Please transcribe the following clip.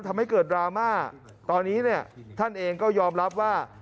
ทำให้เกิดดราม่าตอนนี้เนี่ยท่านเองก็ยอมรับว่า